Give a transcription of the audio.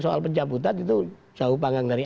soal pencabutan itu jauh panggang dari